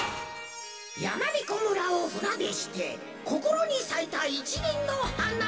やまびこ村をふなでしてこころにさいたいちりんのはな。